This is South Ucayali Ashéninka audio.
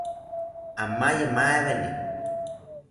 Amaye maweni